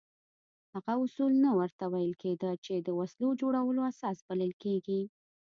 هغه اصول نه ورته ویل کېده چې د وسلو جوړولو اساس بلل کېږي.